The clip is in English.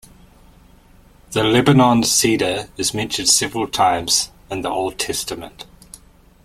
The Lebanon Cedar is mentioned several times in the Old Testament.